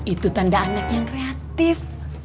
itu tanda anak yang kreatif